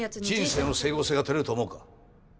人生の整合性がとれると思うか？